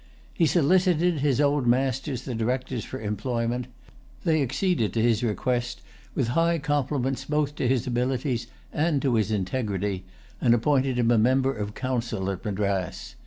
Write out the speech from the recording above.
He solicited his old masters the Directors for employment. They acceded to his request, with high compliments both to his abilities and to his integrity, and appointed him a Member of Council at Madras.